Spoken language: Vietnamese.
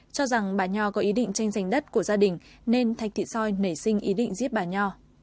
cho rằng bà nho có ý định tranh giành đất của gia đình nên thạch thị soi nảy sinh ý định giết bà nho